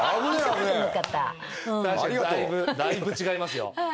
だいぶ違いますよ。